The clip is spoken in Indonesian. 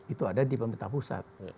itu ada di pemerintah pusat